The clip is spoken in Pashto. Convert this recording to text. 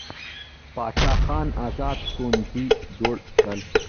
باچا خان ازاد ښوونځي جوړ کړل.